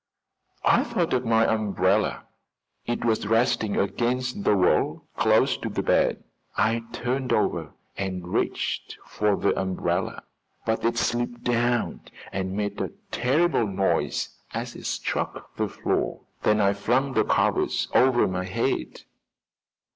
"I thought of my umbrella. It was resting against the wall, close to the bed. I turned over and reached for the umbrella, but it slipped down and made a terrible noise as it struck the floor. Then I flung the covers over my head."